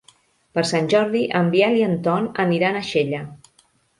Per Sant Jordi en Biel i en Ton aniran a Xella.